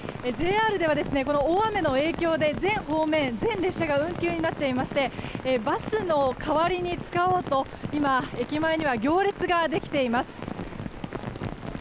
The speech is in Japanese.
ＪＲでは、この大雨の影響で全方面、全列車が運休になっていましてバスを代わりに使おうと今、駅前には行列ができています。